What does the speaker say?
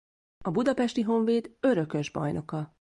A Budapesti Honvéd örökös bajnoka.